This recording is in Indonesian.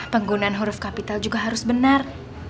penggunaan huruf kapital juga harus benar